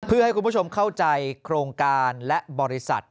เพื่อให้คุณผู้ชมเข้าใจโครงการและบริษัท